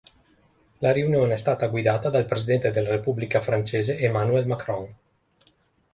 La riunione è stata guidata dal Presidente della Repubblica Francese Emmanuel Macron.